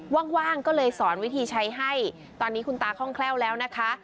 ว่างก็เลยสอนวิธีใช้ให้ตอนนี้คุณตาคล่องแคล่วแล้วนะคะ